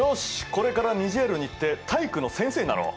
これからニジェールに行って体育の先生になろう！